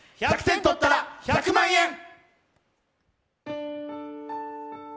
１００点とったら１００万円！